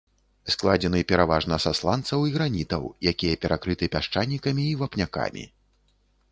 Складзены пераважна са сланцаў і гранітаў, якія перакрыты пясчанікамі і вапнякамі.